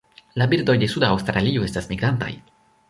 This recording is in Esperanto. La birdoj de suda Aŭstralio estas migrantaj.